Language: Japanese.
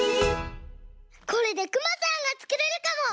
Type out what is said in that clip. これでクマさんがつくれるかも！